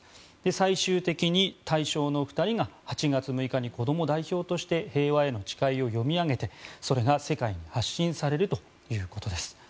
最終的に大賞の２人が８月６日にこども代表として「平和への誓い」を読み上げてそれが世界へ発信されるということです。